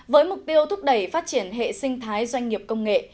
với mục tiêu thúc đẩy phát triển hệ sinh thái doanh nghiệp công nghệ